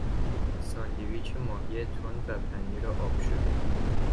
ساندویچ ماهی تون و پنیر آب شده